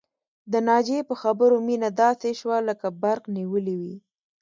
د ناجيې په خبرو مينه داسې شوه لکه برق نيولې وي